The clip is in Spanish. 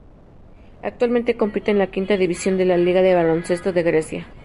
Actualmente compite en la quinta división de la Liga de baloncesto de Grecia.